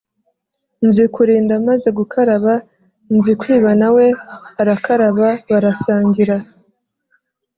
Nzikurinda amaze gukaraba, Nzikwiba na we arakaraba barasangira